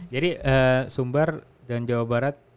jadi sumbar dan jawa barat